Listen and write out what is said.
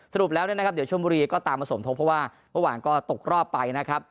สรุปแล้วเนี่ยนะครับเดี๋ยวชมบุรีก็ตามมาสมทบเพราะว่าเมื่อวานก็ตกรอบไปนะครับ